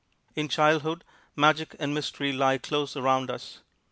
In childhood, magic and mystery lie close around us.